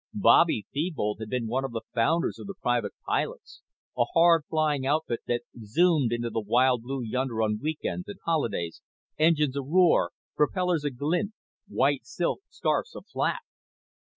Bobby Thebold had been one of the founders of the Private Pilots, a hard flying outfit that zoomed into the wild blue yonder on week ends and holidays, engines aroar, propellers aglint, white silk scarves aflap.